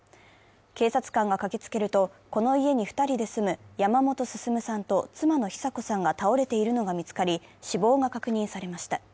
警察官が駆けつけると、この家に２人で住む山本晉さんと妻の久子さんが倒れているのが見つかり、死亡が確認されました。